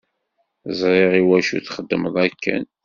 Ẓriɣ iwacu txedmeḍ akken.